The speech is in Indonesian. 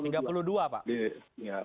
ya salah satu